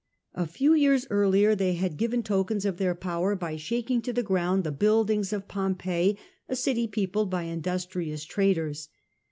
A few years earlier they had. given tokens of their power by shaking to the ground the buildings of Pompeii, a city peopled by industrious traders.